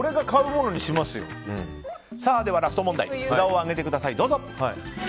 では、ラスト問題札を上げてください。